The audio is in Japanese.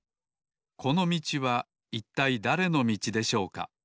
このみちはいったいだれのみちでしょうか？